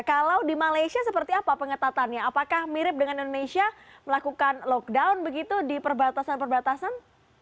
kalau di malaysia seperti apa pengetatannya apakah mirip dengan indonesia melakukan lockdown begitu di perbatasan perbatasan